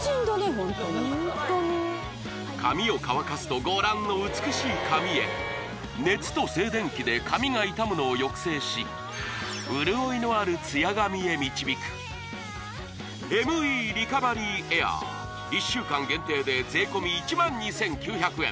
ホントにホントに髪を乾かすとご覧の美しい髪へ熱と静電気で髪が傷むのを抑制し潤いのあるツヤ髪へ導くＭＥリカバリーエアー１週間限定で税込１万２９００円